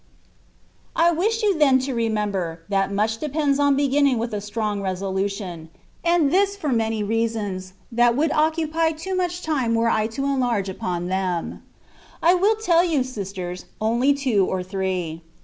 I WISH you then to remember, that much depends on beginning with a strong resolution ; and this for many reasons, that would occupy too much time were 1 to enlarge upon them. I will tell you, sisters, only two or three.